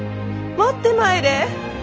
持ってまいれ。